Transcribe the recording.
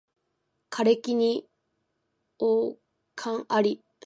枯木に寒鴉あり